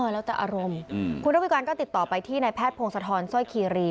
แล้วแต่อารมณ์คุณระวิการก็ติดต่อไปที่นายแพทย์พงศธรสร้อยคีรี